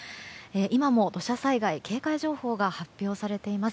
今も、土砂災害警戒情報が発表されています。